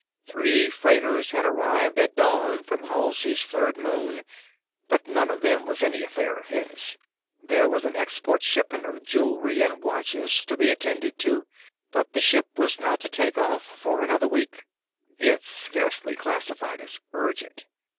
Three freighters had arrived at dawn from Halsey's third moon, but none of them was any affair of his. There was an export shipment of jewelry and watches to be attended to, but the ship was not to take off for another week. It scarcely classified as urgent.